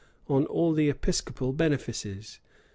on all the episcopal benefices.